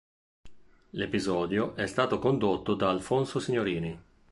L'episodio è stato condotto da Alfonso Signorini.